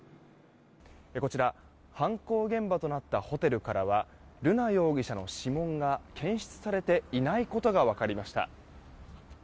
こちら犯行現場となったホテルからは瑠奈容疑者の指紋が検出されていないことが分かりました。